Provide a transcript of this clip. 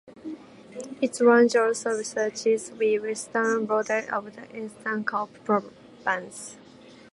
Its range also reaches the western border of the Eastern Cape Province.